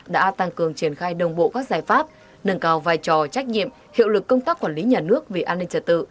đã tăng cường triển khai đồng bộ các giải pháp nâng cao vai trò trách nhiệm hiệu lực công tác quản lý nhà nước về an ninh trật tự